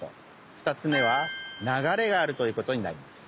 ２つめは流れがあるということになります。